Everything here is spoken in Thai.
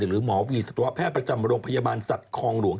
หรือหมอวีสัตวแพทย์ประจำโรงพยาบาลสัตว์คลองหลวง